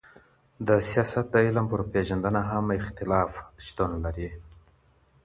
د سياست د علم پر پېژندنه هم اختلاف شتون لري.